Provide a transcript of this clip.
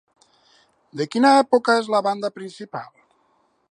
De quina època és la banda principal?